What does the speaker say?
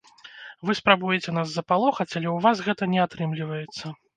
Вы спрабуеце нас запалохаць, але ў вас гэта не атрымліваецца.